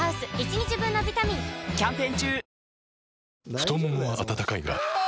太ももは温かいがあ！